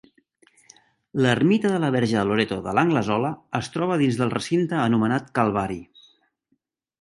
L'ermita de la Verge del Loreto de l'Anglesola es troba dins del recinte anomenat Calvari.